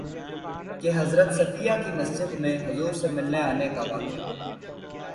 کہ حضرت صفیہ کے مسجد میں حضور سے ملنے آنے کا واقعہ